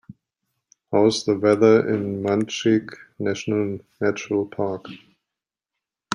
How's the weather in Munchique National Natural Park